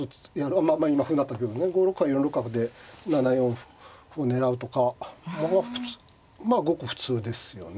まあ今歩成ったけどね５六歩から４六角で７四歩を狙うとかはまあごく普通ですよね。